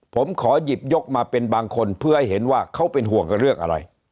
ผมขอหยิบยกมาเป็นบางคนเพื่อให้เห็นว่าเขาเป็นห่วงกับเรื่องอะไร